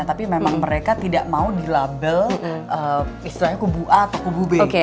tapi memang mereka tidak mau dilabel istilahnya kubu a atau kubu b